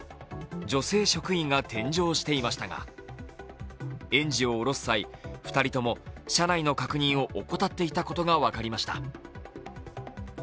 女性職員が添乗していましたが園児を降ろす際、２人とも車内の確認を怠っていたことが分かりました。